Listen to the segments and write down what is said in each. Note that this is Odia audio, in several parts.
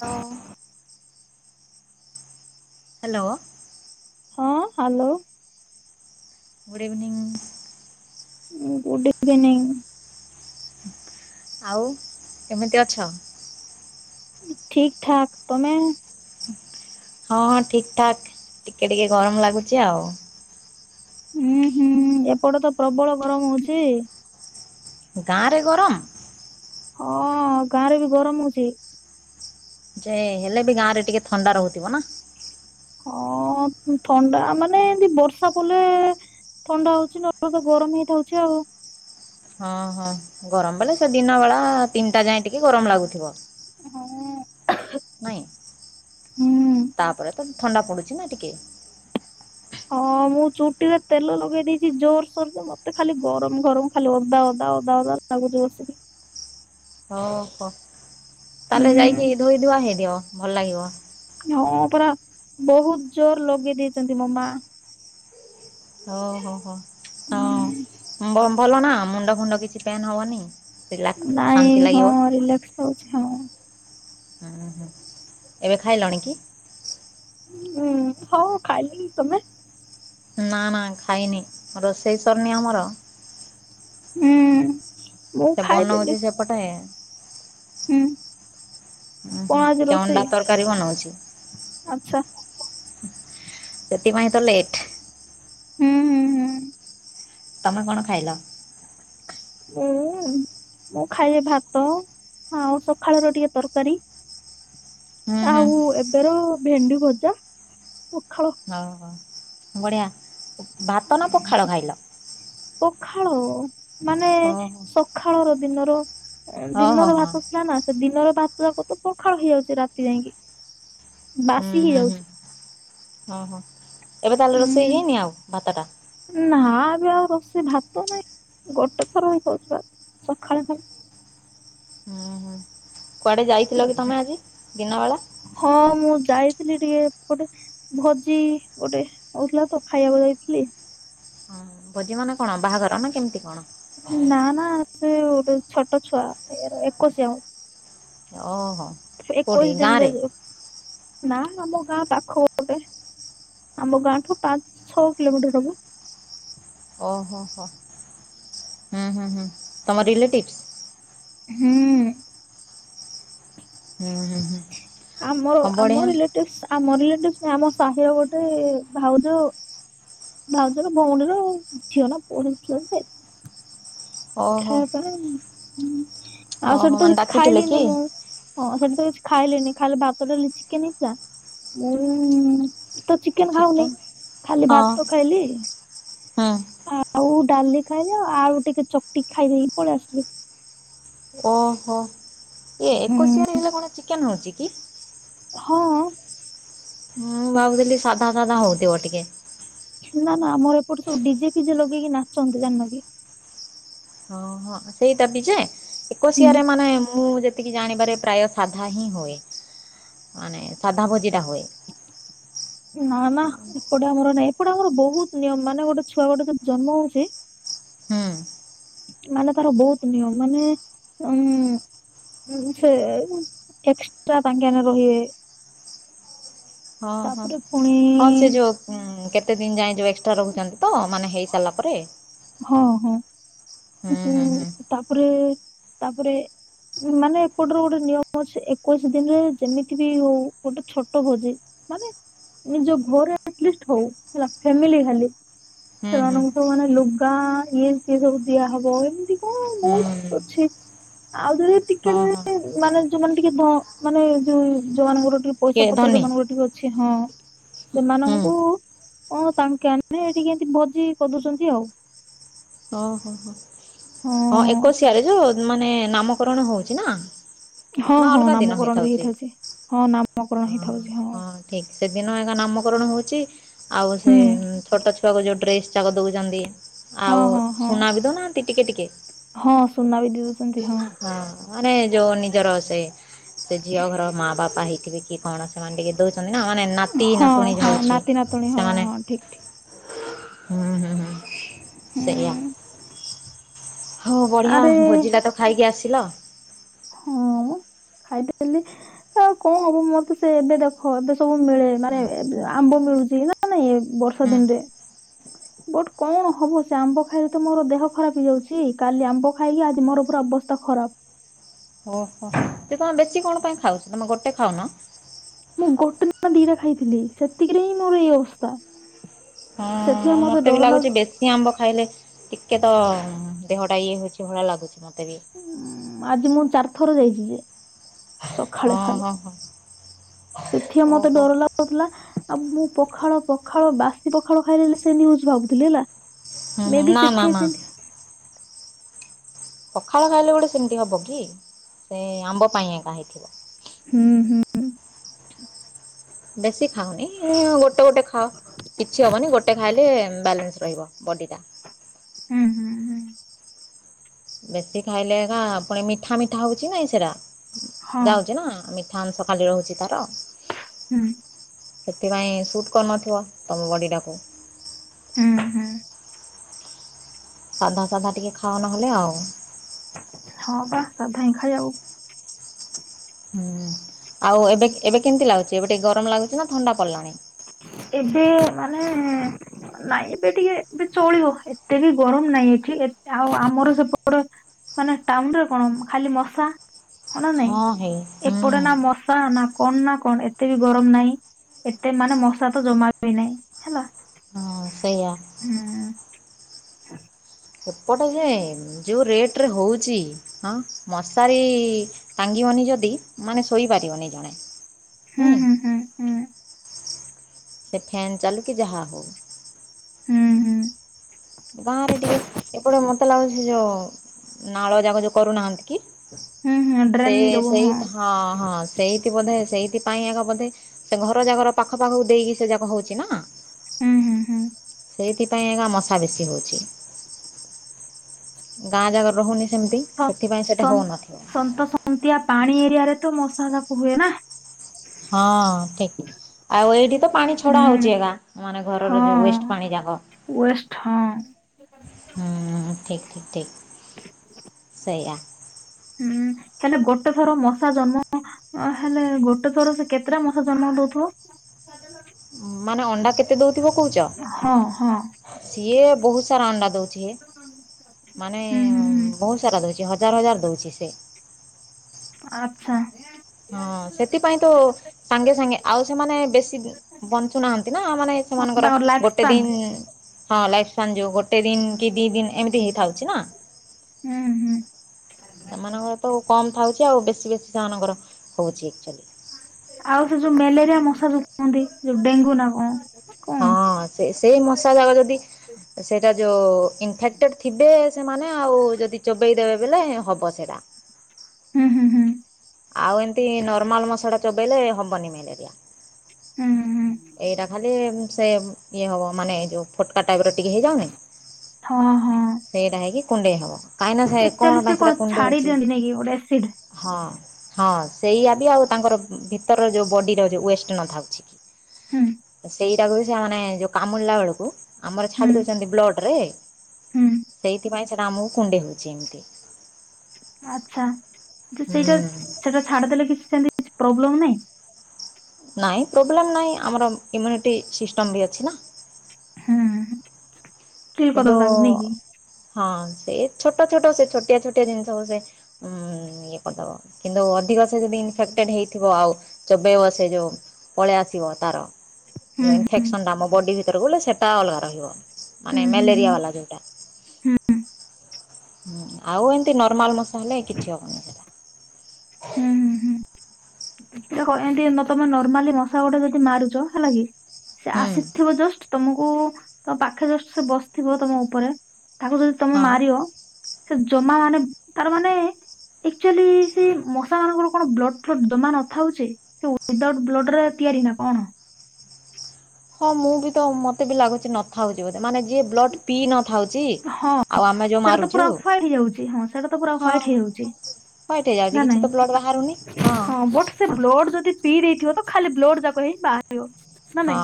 ହଁ ହାଲୋ। ହଁ hello. Good evening. Good evening. ଆଉ କେମିତି ଅଛ? ଠିକ୍ ଠାକ୍, ତମେ? ହଁ ହଁ ଠିକ୍ ଠାକ୍। ଟିକେ ଟିକେ ଗରମ ଲାଗୁଚି ଆଉ। ଏପଟେ ତ ପ୍ରବଳ ଗରମ ହଉଚି। ଗାଁରେ ଗରମ। ହଁ ଗାଁରେ ବି ଗରମ ହଉଚି। ଯେ ହେଲେ ବି ଗାଁରେ ଟିକେ ଥଣ୍ଡା ରହୁଥିବ ନା। ହଁ ଥଣ୍ଡା ମାନେ ଏମ୍ତି ବର୍ଷା ପଲେ। ଥଣ୍ଡା ହଉଚି ନ ହେଲେ ତ ଗରମ ହେଇଥାଉଚି ଆଉ। ହଁ ହଁ ଗରମ ବେଳେ, ସେ ଦିନ ବେଳା ତିନିଟା ଯାଏ ଟିକେ ଗରମ ଲାଗୁଥିବ। ନାଇଁ। ହୁଁ। ତା ପରେ ତ ଥଣ୍ଡା ପଡ଼ୁଚି ନା ଟିକେ। ହଁ [inaudible] ମୁଁ ଚୁଟିରେ ତେଲ ଲଗେଇ ଦେଇଚି ଜୋର୍ସୋରେ ମତେ ଖାଲି ଗରମ ଗରମ ଖାଲି ଓଦାଓଦା ଓଦାଓଦା ଲାଗୁଥିବ ବର୍ଷାରେ। ତା ହୁଁ ହେଲେ ଯାଇକି ଧୋଇ ଧୁଆ ହେଇଦିଅ ଭଲ ଲାଗିବ। ହଁ ପରା ବହୁତ ଜୋର ଲଗେଇ ଦେଇଚନ୍ତି, ମୋ ମା। ଓହୋ ହୋ ହୁଁ। ହୋ। ହଁ ଭଲ ନା ମୁଣ୍ଡ ଫୁଣ୍ଡ କିଛି ପେନ୍ ହବନି। ରିଲାକ୍ସ ଶାନ୍ତି ନାଇଁ ହଁ ଲାଗିବ। ରିଲାକ୍ସ ହଉଚି ହଁ। ଏବେ ଖାଇଲଣି କି? ହଉ ମୁଁ ଖାଇଲି। ତମେ? ନା ନା ଖାଇନି, ରୋଷେଇ ସରିନି ଆମର। ହୁଁ। ମୁଁ ସେ ଖାଇଦେଲି ବନଉଚି ସେପଟେ। ହୁଁ। କଣ ଆଜି ଉଁ ରୋଷେଇ? ହୁଁ। ଆଚ୍ଛା। ସେଥିପାଇଁ ତ ଲେଟ୍। ହୁଁ ହୁଁ ହୁଁ। ତମେ କଣ ଖାଇଲ? ମୁଁ ମୁଁ ଖାଇଲି ଭାତ ଆଉ ସଖାଳର ଟିକେ ତରକାରୀ। ହୁଁ ହୁଁ ଆଉ ଏବେର ଭେଣ୍ଡି ଭଜା, ପଖାଳ। ଓହଃ ବଢ଼ିଆ। ଭାତ ନା ପଖାଳ ଖାଇଲ? ପଖାଳ ମାନେ ଓହୋ ସଖାଳର ଦିନର ହଁ ହଁ ଦିନର ହଁ ଭାତ। ନା ନା ସେ ଦିନର ଭାତଯାକ ତ ପଖାଳ ହେଇଯାଉଚି ରାତି ଯାକେ। ହୁଁ ହୁଁ ହୁଁ। ଓହଃ ଏବେ ତାହେଲେ ହୁଁ। ରୋଷେଇ ହେଇନି ଆଉ ଭାତ ଟା? ନା ଏବେ ଆଉ ରୋଷେଇ ଭାତ ନାହିଁ। ଗୋଟେ ଥର ହେଇଥାଉଛି ସଖାଳେ ଖାଲି। ହୁଁ ହୁଁ। କୁଆଡେ ଯାଇଥିଲ କି ତମେ ଆଜି ଦିନବେଳା। ହଁ ମୁଁ ଯାଇଥିଲି ଟିକେ ଏପଟେ ଭୋଜି ଗୋଟେ ହେଉଥିଲା ତ ଖାଇବାକୁ ଯାଇଥିଲି। ଭୋଜିମାନେ କଣ ବାହାଘର, ନା କେମିତି କଣ? ନା ନା ସେ ଗୋଟେ ଛୋଟ ଛୁଆ ଏ-ଏକୋଇଶିଆ। ଓହୋ। କେଉଁଠି ଏକୋଇଶି ଦିନରେ ଗାଁରେ ଯୋଉ। ନାଁ ଆମ ଗାଁ ପାଖ ଗୋଟେ। ଆମ ଗାଁଠୁ ପାଞ୍ଚ ଛଅ କିଲୋମିଟର ହବ। ଓହୋ ହୋ ହୁଁ ହୁଁ ତମ ରିଲେଟିଭିସ୍। ହୁଁ। ହୁଁ ହୁଁ ହୁଁ ଆମର ହଁ ଆମ ବଢ଼ିଆ ରିଲେଟିଭ ଆମ ରିଲେଟିଭ ନୁହଁ ଆମ ସାହିର ଗୋଟେ ଭାଉଜ ଆଉ। ଭାଉଜର ଭଉଣୀର ଝିଅ ନା ପୁଅଟେ ହେଇଥିଲାଯେ ଓହୋ ଖାଇବା ପାଇଁ ଆଉ ଓହୋ ସେଠି ତ ମାନେ କିଛି ଡାକିଥିଲେ କି ଖାଇଲିନି ମୁଁ। ହଁ ସେଠିତ କିଛି ଖାଇଲିନି ଖାଲି ଭାତ, ଡାଲି, ଚିକେନ ହେଇଥିଲା ମୁଁ ମୁଁ ତ ଚିକେନ ଖାଉନି ଚିକେନ୍ ଖାଲି ହଁ ଭାତ ଖାଇଲି। ହୁଁ ଆଉ ଡାଲି ଖାଇଲି ଆଉ ଆଳୁ ଟିକେ ଚକଟିିକି ଖାଇଦେଇ ପଳେଇଆସିଲି। ଓହୋ ଏଇ ଏକୋଶିଆରେ ହେଲେ କଣ ଚିକେନ ହୋଉଚିକି। ହଁ। ମୁଁ ଭାବୁଥିଲି ସାଧା ସାଧା ହୋଉଥିବ ଟିକେ। ନାଁ ନାଁ ଆମର ଏପଟେ ସବୁ ଡିଜେ ଫିଜେ ଲଗେଇକି ନାଚନ୍ତି ଜାଣିନକି? ଓହୋ ସେଇଟାବି ଯେ ଏକୋଶିଆରେ ମାନେ ମୁଁ ଯେ ଜେତିକି ଜାଣିବାରେ ପ୍ରାୟ ସାଧା ହିଁ ହୁଏ। ମାନେ ସାଧା ଭୋଜିଟା ହୁଏ। ନାଁ ନାଁ ଏପଟେ ଆମର ନାହିଁ ଏପଟେ ଆମର ବହୁତ ନିୟମ ମାନେ ଗୋଟେ ଛୁଆ ଗୋଟେ ଯଦି ଜନ୍ମ ହୋଉଚି ହୁଁ। ମାନେ ତାର ବହୁତ ନିୟମ ମାନେ ଉଁ ହୁଁ ସେ ଏକ୍ସଟ୍ରା ତାଙ୍କେ ଆନେ ରହିବେ। ହଁ ହଁ ତାପରେ ହଁ ପୁଣି ସେ ଯୋଉ ହୁଁ କେତେ ଦିନ ଯାଏ ଯୋଉ ଏକ୍ସଟ୍ରା ରହୁଛନ୍ତି ତ ମାନେ ହେଇସାରିଲା ପରେ। ହଁ ହଁ। ହୁଁ ତାପରେ ତାପରେ ମାନେ ଏପଟର ଗୋଟେ ନିୟମ ଅଛି ଏକୋଇଶି ଦିନରେ ଯେମିତିବି ହୋଉ ଗୋଟେ ଛୋଟ ଭୋଜି ମାନେ ନିଜ ଘରେ ଆଟିଲିସ୍ଟ ହଉ ହେଲା ଫ୍ୟାମିଲୀ ଖାଲି ହୁଁ ହୁଁ ସେମାନଙ୍କୁ ସବୁ ମାନେ ଲୁଗା ଇଏ ସିଏ ସବୁ ଦିଆହବ ଏମିତି କଣ ହୁଁ। ବହୁତ୍ ଅଛି। ଆଉ ଯଦି ଟିକେ ହଁ ହଁ ଟେ ମାନେ ଯୋଉମାନେ ଟିକେ ଧ ମାନେ ଯୋଉ ଯୋଉମାନାନଙ୍କର ଟିକେ ପଇସା ପତ୍ର ଯୋଉମାନଙ୍କର ଟିକେ ଅଛି ହଁ ହୁଁ ସେମାନଙ୍କୁ ହଁ ତାଙ୍କେ ଆଣି ଟିକେ ଏମତି ଭୋଜି କରିଦୋଉଛନ୍ତି ଆଉ। ଓହୋ ହଁ ଏକୋସିିଆରେ ଯୋଉ ମାନେ ନାମକରଣ ହୋଉଛି ନାଁ। ହଁ ହଁ ନାମକରଣ ବି ହେଇଥାଉଛି ହଁ ନାମକରଣ ହେଇଥାଉଛି ହଁ। ଠିକ୍ ସେଦିନ ଏକା ନାମକରଣ ହୋଉଛି ଆଉ ହୁଁ ସେ ଛୋଟ ଛୁଆକୁ ଯୋଉ ଡ୍ରେସ୍ ଯାକ ଦୋଉଛନ୍ତି ହଁ ଆଉ ହଁ ହଁ ସୁନା ବି ଦୋଉ ନାହାଁନ୍ତି ଟିକେ ଟିକେ ହଁ ସୁନା ବି ଦେଇ ଦଉଛନ୍ତି ହଁ। ମାନେ ଯୋଉ ନିଜର ସେ ସେଝିଅ ଘର ମା ବାପା ହେଇଥିବେ କି କଣ ସେମାନେ ଟିକେ ଦୋଉଚନ୍ତି ନା ମାନେ ନାତି ହଁ ନାତୁଣୀ ଜୋ ହଁ ହୋଉଚି ନାତି ନାତୁଣୀ ହଁ ସେମାନେ ହଁ ଠିକ ଠିକ ହୁଁ ହୁଁ ହୁଁ ସେୟା। ହୁଁ ହଁ ବଢିଆ ଆରେ ଭୋଜିଟା ତ ଖାଇକି ଆସିଲ। ହଁ ମଁ ଖାଇଦେଲି। ଆଉ କଣ ହବ ମୋର ତ ସେ ଏବେ ଦେଖ ଏବେ ସବୁ ମିଳେ ମାନେ ହୁଁ ଆମ୍ବ ମିଳୁଛି ନାଁ। ନାଇଁ ଏ ବର୍ଷା ଦିନରେ [unintelligible] ବଟ କଣ ହବ ସେ ଆମ୍ବ ଖାଇଲେ ତ ମୋର ଦେହ ଖରାପ ହେଇଯାଉଛି କାଲି ଆମ୍ବ ଖାଇକି ଆଜି ମୋର ପୁରା ଅବସ୍ଥା ଖରାପ୍। ଓହୋ। ସେତମେ ବେଶି କଣ ପାଇଁ ଖାଉଚ ତମେ ଗୋଟେ ଖାଉନ। ମୁଁ ଗୋଟେନା ଦିଟା ଖାଇଥିଲି ସେତିକିରେହିଁ ମୋର ଏଇ ଅବସ୍ଥା। ହଁ ସେଥିପାଇଁ ଆଉ ମତେ ଡର ମତେବି ଲାଗୁଛି ଲାଗୁଚି ବେଶ୍ ସି ଆମ୍ବ ଖାଇଲେ ଟିକେତ ଦେହଟା ଇଏ ହେଉଚି ଭଳିଆ ଲାଗୁଚି ମୋତେବି। ଉଁ ଆଜି ମୁଁ ଚାରି ଥର ଯାଇଚିଯେ। ସକାଳେ ହଁ ଖାଲି ହଁ ହଁ ସେଥିରେମତେ ଓହୋ ଡରଲା ଥିଲା ଆଉ ମୁଁ ପଖାଳ ପଖାଳ ବାସି ପଖାଳ ଖାଇଦେଲି ସେନାଗି ହୋଉଚି ଭାବୁଥିଲି ହେଲା ହୁଁ ହୁଁ ମେବି ନା ନା ସେଥିରେ ନା ସେମି ପଖାଳ ଖାଇଲେ ଗୋଟେ ସେମିତି ହବକି ସେଆମ୍ବ ପାଇଁ ଏକା ହେଇଥିବ। ହୁଁ ହୁଁ। ବେଶି ଖାଉନି ଗୋଟେ ଗୋଟେ ଖାଅ କିଛି ହବନି ଗୋଟେ ଖାଇଲେ ବାଲାନ୍ସ ରହିବ ବଡ଼ିଟା। ହୁଁ ଉଁ। ବେଶୀ ଖାଇଲେ ଏକା ପୁଣି ମିଠା ମିଠା ହଉଚି ନାଇଁ ସେରା ହଁ ଯାଉଚିନା ମି ଫଥନ୍ ସକାଳେ ରହୁଚି ତାର ହୁଁ ହୁଁ। ସେଥିପାଇଁ ସୁଟ୍ କରିନଥିବ ତମ ବଡିଟାକୁ। ହୁଁ ହୁଁ। ସାଧା ସାଧା ଟିକେ ଖାଅ ନହେଲେ ଆଉ। ହଁପା ସାଧାଇଁ ଖାଇବାକୁ ହୁଁ ଆଉ ଏବେ ଏବେ କେମିତି ଲାଗୁଚି ଏବେ ଟିକେ ଗରମ ଲାଗୁଚିନା ଥଣ୍ଡା ପଡ଼ିଲାଣି? ଏବେ ମାନେ ନାଇଁ ଏବେ ଟିକେ ଏବେ ଚଳିବ ଏତେବି ଗରମ ନାଇଁ ଏଠି ଆଉ ଆମର ସେପଟେ ମାନେ ଟାଉନରେ କଣ ଖାଲି ମଶା ହନା ହଁ ହେଇ ନାଇଁ ହୁଁ ଏପଟେ ନା ମଶା ନା କଣନା କଣ ଏତେବି ଗରମ ନାଇଁ ଏତେ ମାନେ ମଶାତ ଜମାବି ନାଇଁ ହେଲା। ହଁ ସେଇଆ। ହୁଁ। ଏପଟେଯେ ଯଉ ରେଟରେ ହଉଚି ହଁ ମଶାରୀ ଟାଙ୍ଗିବନି ଯଦି ମାନେ ଶୋଇପାରିବନି ଜଣେ। ହୁଁ ନାଇଁ। ହୁଁ ହୁଁ ହୁଁ ସେ ଫେନ୍ ଚାଲୁକି ଯାହା ହଉ। ହୁଁ ହୁଁ। ଗାଁରେ ଟିକେ ଏପଟେ ମତେ ଲାଗୁଚି ସେଯୋଉ ନାଳ ଜାଗ କରୁନାହାନ୍ତିକି ହୁଁ ହୁଁ ସେ ଡ୍ରେନ୍ ଯୋଗୁ ସେଇ ହଁ ହଁ ସେଇଠି ବୋଧେ ସେଇଥିପାଇଁ ଆଗା ବୋଧେ ସେ ଘର ଜାକର ପାଖ ପାଖକୁ ଦେଇକି ସେଯାକ ହଉଚିନା। ହୁଁ ହୁଁ ହୁଁ। ସେଥିପାଇଁ ଆଗା ମଶା ବେଶୀ ହଉଚି। ଗାଁ ଜାଗାରେ ରହୁନି ସେମିତି ସେଥିପାଇଁ ସେଟା ହଉନଥିବ। ଏମିତିଆ ପାଣି ଏରିଆରେତ ମଶା ଯାକ ହୁଏନା? ହଁ ଠିକ୍। ଆଉ ଏଇଠିତ ପାଣି ହୁଁ ଛଡା ହଉଚି ଏଗା ମାନେ ଘରର ଯୋଉ ୱେଷ୍ଟ ପାଣି ଯାକ। ୱଷ୍ଠ ହଁ। ହୁଁ ଠିକ୍ ଠିକ୍ ଠିକ୍ ସେଇଆ। ହୁଁ ହେଲେ ଗୋଟେ ଥର ମଶା ଜନ୍ମ ଅ ହେଲେ ଗୋଟେ ଥର ସେ କେତେଟା ମଶା ଜନ୍ମ ଦଉଥିବ? ମାନେ ଅଣ୍ଡା କେତେ ଦଉଥିବ କହୁଛ ହଁ ହଁ ସିଏ ବହୁତ୍ ସାରା ଅଣ୍ଡା ଦଉ ମାନେ ହୁଁ ହୁଁ ହୁଁ ବହୁତ୍ ସାରା ଦଉଛି ହଜାର ହଜାର ଦଉଛି ସେ। ଆ ହଁ ସେଥିପାଇଁ ତ ସାଙ୍ଗେ ସାଙ୍ଗେ ଆଉ ସେମାନେ ବେଶୀ ବଞ୍ଚୁନାହାନ୍ତି ନା ମାନେ ସେମାନଙ୍କର ତାଙ୍କର ଲାଇଫ ଗୋଟେ ସ୍ପାନ୍ ଦିନ୍ ହଁ ଲାଇଫ୍ [unintelligible] ଯୋଉ ଗୋଟେ ଦିନ କି ଦି ଦିନ ଏମିତି ହେଇଥାଉଛି ନା। ହୁଁ ହୁଁ। ସେମାନଙ୍କର ତ କମ୍ ଥାଉଛି ଆଉ ବେଶୀ ବେଶୀ ସେମାନଙ୍କର ହଉଛି। ଆଉ ସେ ଯୋଉ ମ୍ୟାଲେରିଆ ମଶା ଯୋଉ କୁହନ୍ତି ଯୋଉ ଡେଙ୍ଗୁ ନା କଣ? କଣ ହଁ ସେ ସେଇ ମଶା ଯାକ ଯଦି ସେଇଟା ଯୋଉ ଇନଫେକ୍ଟେଡ ଥିବେ ସେମାନେ ଆଉ ଯଦି ଚୋବେଇ ଦେବେ ବେଲେ ହବ ସେଇଟା। ହୁଁ ହୁଁ ହୁଁ। ଆଉ ଏମିତି ନର୍ମାଲ [unintelligible] ଚୋବାଇଲେ ହବନି ମ୍ୟାଲେରିଆ। ହୁଁ ହୁଁ। ଏଇଟା ଖାଲି ସେ ଇଏ ହବ ମାନେ ଯୋଉ ଫୋଟକା ଟାଇପ୍ ର ଟିକେ ହେଇଯାଉନି। ହଁ ହଁ। ସେଇଟା ହେଇକି କୁଣ୍ଡେଇ ହବ କାହିଁକି ନା ସେ ଆକ୍ଚୁଆଲି କଣ ସେ ପାଇଁ ସେଟା କୁଣ୍ଡେଇ ଛାଡି ହଉଛି? ଦିଅନ୍ତି ନାଇଁ କି ଗୋଟେ ଏସିଡ୍ ହଁ ହଁ ସେଇଆ ବି ଆଉ ତାଙ୍କର ଭିତର ଯୋଉ ବଡି଼ ର ଯୋଉ ୱେଷ୍ଟ ନଥାଉଛି। ହୁଁ। ସେଇଟାକୁ ବି ସେ ମାନେ ଯୋଉ କାମୁଡିଲା ବେଳକୁ ଆମର ହୁଁ ଛାଡି ଦଉଛନ୍ତି ବ୍ଲଡ଼ ରେ ହୁଁ ସେଇଥିପାଇଁ ସେଟା ଆମକୁ କୁଣ୍ଡେଇ ହଉଛି ଏମତି। ଆଚ୍ଛା ସେଇଟା ହୁଁ ସେଟା ଛାଡିଦେଲେ କିଛି ସେମତି ପ୍ରୋବ୍ଲେମ୍ ନାହିଁ? ନାଇଁ ପ୍ରୋବ୍ଲେମ୍ ନାହିଁ ଆମର ଇମ୍ୟୁନିଟି ସିଷ୍ଟମ ବି ଅଛି ନା। ହୁଁ। କିଲ୍ କିନ୍ତୁ କରିଦବ ତାକୁ ନେଇକି ହଁ ସେ ଛୋଟ ଛୋଟ ସେ ଛୋଟିଆ ଛୋଟିଆ ଜିନିଷ [unintelligible] ଉଁ ଇଏ କରିଦବ କିନ୍ତୁ ଅଧିକ ସେ ଯଦି ଇନଫେକ୍ଟେଡ଼୍ ହେଇଥିବ ଆଉ ଚୋବେଇବ ସେ ଯୋଉ ପଳେଇ ଆସିବ ତାର ହୁଁ ଯୋଉ ହୁଁ ଇନଫେକ୍ସନଟା ଆମ ବଡି ଭିତରକୁ ବଲେ ସେଟା ଅଲଗା ରହିବ। ମାନେ ହୁଁ ହୁଁ ହୁଁ। ମ୍ୟାଲେରିଆ ବାଲା ଯୋଉଟା। ହଁ ଆଉ ଏମତି ନର୍ମାଲ ମଶା ହେଲେ କିଛି ହବନି ସେଟା। ସେଟା କଣ ଏମିତି ତମେ ନର୍ମାଲି ମଶା ଗୋଟେ ଯଦି ମାରୁଛ ହେଲା କି ସେ ହୁଁ ଆସିଥିବ ଜଷ୍ଟ୍ ତମକୁ ତ ପାଖେ ଜଷ୍ଟ ସେ ବସିଥିବ ତମ ଉପରେ ତାକୁ ଯଦି ତମେ ହଁ। ମାରିବ ସେ ଜମା ମାନେ ତାର ମାନେ ଆଚୁଆଲି ସେ ମଶା ମାନଙ୍କର କଣ ବ୍ଲଡ଼ ଫ୍ଲଡ଼ ଜମା ଥାଉଚି ଉଇ ଦାଉଟ୍ ବ୍ଲଡ଼ ରେ ତିଆରି ନା କଣ। ମୁଁ ବି ତ ମତେ ବି ଲାଗୁଛି ନଥାଉଛି ବୋଧେ ମାନେ ଯିଏ ବ୍ଲଡ଼ ପିଇ ନଥାଉଛି। ହଁ ଆଉ ଆମେ ଯୋଉ ସେଇଟା ତ ମାରୁଛୁ ପୁରା ହ୍ୱାଇଟ୍ ହେଇଯାଉଛି ସେଇଟା ତ ପୁରା ହଁ। ହ୍ୱାଇଟ୍ ହେଇଯାଉଛି ହ୍ବାଇଟ୍ ହେଇ ନା ଯାଉଛି ନାଇଁ? କିଛି ତ ବ୍ଲଡ଼ ବାହାରୁନି ହଁ। ହଁ ବଟ୍ ସେ ବ୍ଲଡ଼ ଯଦି ପିଇ ଦେଇଥିବ ତ ଖାଲି ବ୍ଲଡ଼ ଯାକ ହିଁ ବାହାରିବ। ନା ହଁ ନାଇଁ?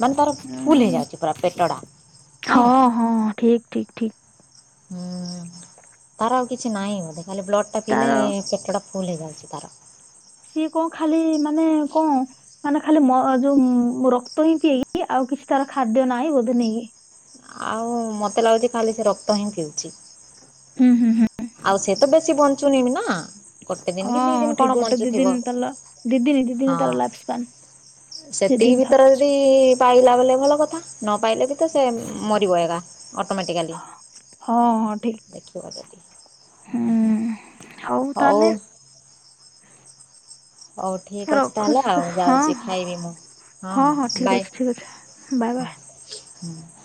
ମାନେ ତାର ଫୁଲ୍ ହୁଁ ହେଇଯାଉଛି ପୁରା ପେଟଡ଼ା। ହଁ ହଁ ଠିକ୍ ଠିକ୍ ଠିକ୍। ହୁଁ ତାର ଆଉ କିଛି ନାହିଁ ବୋଧେ ଖାଲି ବ୍ଲଡ଼ ପିଇଲେ ତାର ପେଟ ଟା ଫୁଲ୍ ହେଇଯାଉଛି ତାର। ସିଏ କଣ ଖାଲି ମାନେ କଣ ମାନେ ଖାଲି ମ ଯୋଉ ରକ୍ତ ହିଁ ପିଇକି ଆଉ କିଛି ତାର ଖାଦ୍ୟ ନାହିଁ ବୋଧେ ନେଇକି। ଆଉ ମତେ ଲାଗୁଛି ଖାଲି ସେ ରକ୍ତ ହିଁ ପିଉଛି। ହଁ ହଁ ହଁ। ଆଉ ସେ ତ ବେଶୀ ବଞ୍ଚୁନି ବି ନା ଗୋଟେ ଦିନ କି ଦି ହଁ ଦିନ ଠିକ କଣ ଗୋଟେ ଦି ବଞ୍ଚୁଥିବ ଦିନ ତାଲା ଦି ଦିନ ଦି ଦିନ ହଁ। ତାର ଲାଇଫ ସ୍ପାନ ଦି ସେତିକି ଦିନ ଥାଉ ଭିତରେ ଯଦି ପାଇଲା ବଲେ ଭଲ କଥା। ନ ପାଇଲେ ବି ତ ସେ ମରିିବ ଏଗା ଅଟୋମେଟିକାଲି। ହଁ ହଁ ଠିକ ଦେଖିବା ଯଦି ମ-ମ ହଁ। ହୁଁ ହଉ ତାହେଲେ ହଉ ଠିକ୍ ଅଛି ତାହେଲେ ରଖୁଛି ତ ଆଉ ହଁ ଯାଉଛି ହଁ ଖାଇବି ମୁଁ। ହଁ ହଁ ଠିକ ବାଏ ଅଛି ଠିକ ଅଛି ବାଏ ବାଏ। ହଁ ହଁ।